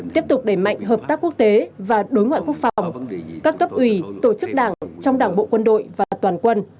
tiếp tục đẩy mạnh hợp tác quốc tế và đối ngoại quốc phòng các cấp ủy tổ chức đảng trong đảng bộ quân đội và toàn quân